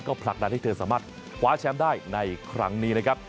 ผลักดันให้เธอสามารถคว้าแชมป์ได้ในครั้งนี้นะครับ